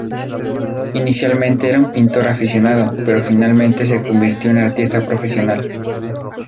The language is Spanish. Inicialmente era un pintor aficionado, pero finalmente se convirtió en artista profesional.